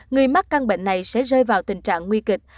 người mắc căn bệnh này sẽ rơi vào tình trạng nguy kịch